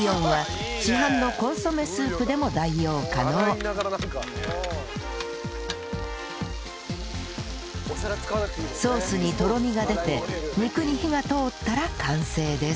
ブイヨンはソースにとろみが出て肉に火が通ったら完成です